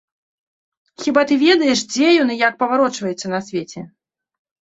Хіба ты ведаеш, дзе ён і як паварочваецца на свеце?